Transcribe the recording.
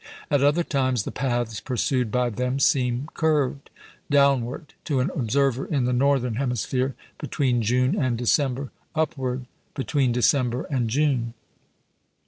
At other times, the paths pursued by them seem curved downward (to an observer in the northern hemisphere) between June and December, upward between December and June.